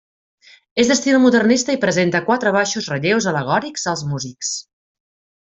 És d'estil modernista i presenta quatre baixos relleus al·legòrics als músics.